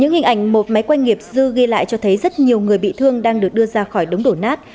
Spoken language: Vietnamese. những hình ảnh một máy quanh nghiệp dư ghi lại cho thấy rất nhiều người bị thương đang được đưa ra khỏi đống đổ nát